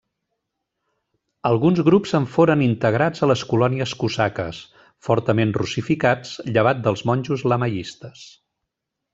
Alguns grups en foren integrats a les colònies cosaques, fortament russificats, llevat dels monjos lamaistes.